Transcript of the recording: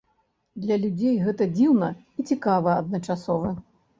Для людзей гэта дзіўна і цікава адначасова.